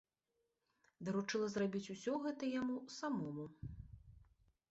Даручыла зрабіць усё гэта яму самому.